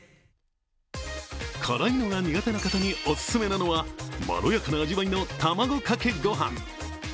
辛いのが苦手な方にオススメなのは、まろやかな味わいの卵かけご飯。